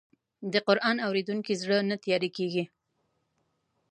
د قرآن اورېدونکی زړه نه تیاره کېږي.